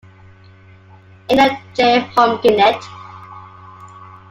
Indian J Hum Genet.